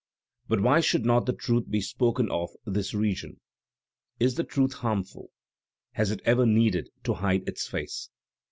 But why should not the truth be spoken of this region? Is the truth harm ful? Has it ever needed to hide its face?